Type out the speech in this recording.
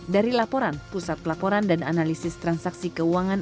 dari laporan pusat pelaporan dan analisis transaksi keuangan